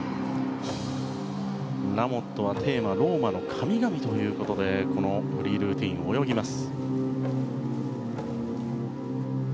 ラモットはテーマをローマの神々ということでこのフリールーティンを泳ぎます。